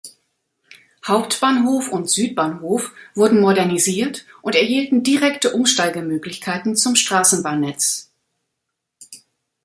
Hauptbahnhof und Südbahnhof wurden modernisiert und erhielten direkte Umsteigemöglichkeiten zum Straßenbahnnetz.